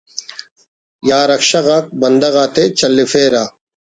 یا رکشہ غاک بندغ آتے چلیفرہ